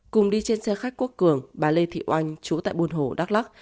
cùng đi trên xe khách quốc cường bà lê thị oanh chú tại buôn hồ đắk lắc